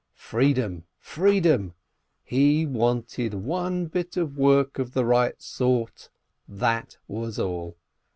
Freedom, freedom — he wanted one bit of work of the right sort, and that was all